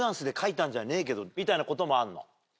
みたいなこともあんの？